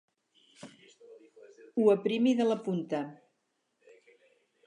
Ho aprimi de la punta.